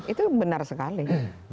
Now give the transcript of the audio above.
itu benar sekali